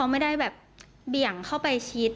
ไม่ได้แบ่งเข้าไปชีส